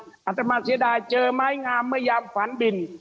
หาธรรมชิดายเจอไม้งามไม่ยามฝันบิน